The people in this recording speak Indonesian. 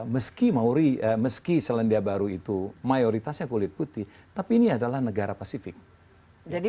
meski mauri meski selandia baru itu mayoritasnya kulit putih tapi ini adalah negara pasifik jadi